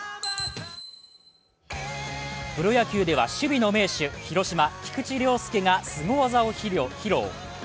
プロ野球では守備の名手広島・菊池涼介がすご技を披露。